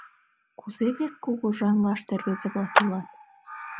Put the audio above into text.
Кузе вес кугыжанлаште рвезе-влак илат?